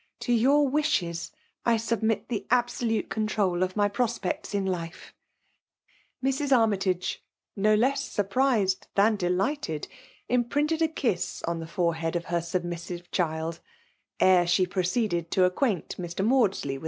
To }iour witkes I submit the absolute control of my pirospects in life/* ' Mrs. Army tage, no less surprised than d^ figfaiedi imprinted a loss on the fovoheid fif iher submissive child* e^e she pretCeeded* io {acquaint Mr. Maudsli^ with